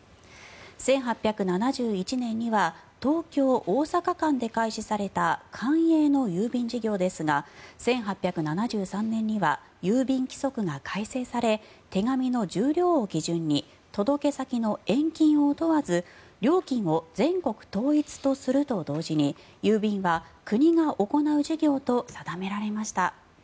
１８７１年には東京大阪間で開始された官営の郵便事業ですが１８７３年には郵便規則が改正され手紙の重量を基準に届け先の遠近を問わず料金を全国統一とすると同時に郵便は国が行う事業と定められました。